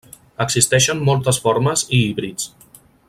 Existeixen moltes formes i híbrids.